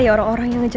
aku udah berusaha bener